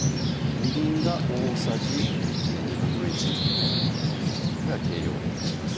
みりんが大さじ１／２これは計量お願いします